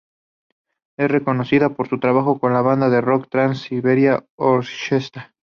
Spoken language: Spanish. Es reconocida por su trabajo con la banda de rock Trans-Siberian Orchestra.